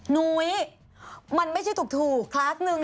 นุ้ยมันไม่ใช่ถูกคลาสหนึ่ง